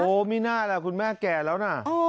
โอ้มีหน้าแล้วคุณแม่แก่แล้วน่ะ